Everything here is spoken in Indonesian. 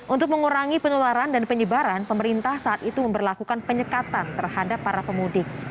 untuk mengurangi penularan dan penyebaran pemerintah saat itu memperlakukan penyekatan terhadap para pemudik